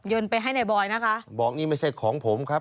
ไปให้ในบอยนะคะบอกนี่ไม่ใช่ของผมครับ